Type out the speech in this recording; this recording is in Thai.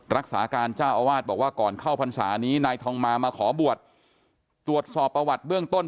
รักษาการเจ้าอาวาสบอกว่าก่อนเข้าพรรษานี้นายทองมามาขอบวชตรวจสอบประวัติเบื้องต้น